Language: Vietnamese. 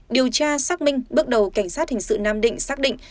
điều tra xác minh bước đầu cảnh sát hình sự nam định xác định